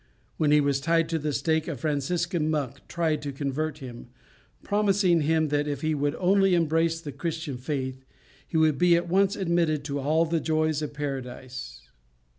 When he was tied to the stake, a Franciscan monk tried to convert him, promising him that if he would only embrace the Christian faith, he would be at once admitted to all the joys of Paradise.